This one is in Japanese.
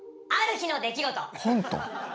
「ある日の出来事」コント？